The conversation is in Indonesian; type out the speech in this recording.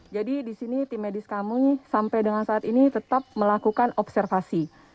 jadi di sini tim medis kami sampai dengan saat ini tetap melakukan observasi